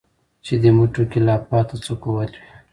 چي دي مټو كي لا پاته څه قوت وي